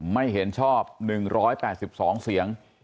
ไม่เห็นชอบ๑๘๒เสียง